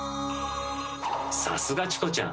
さすがチコちゃん！